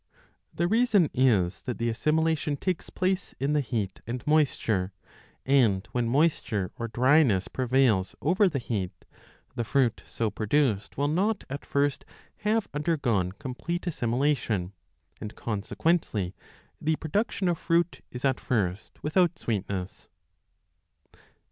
The reason is that the assimilation takes place in the heat 30 and moisture, and when moisture or dryness prevails over the heat, the fruit so produced will not at first have under gone complete assimilation, and consequently the produc tion of fruit is at first without sweetness.